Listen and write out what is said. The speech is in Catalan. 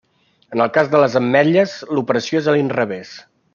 En el cas de les ametlles l'operació és a l'inrevés.